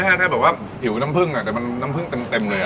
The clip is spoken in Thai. แค่อะแค่บอกว่าถิวน้ำผึ้งอะแต่มันน้ำผึ้งเต็มเต็มเลยอะ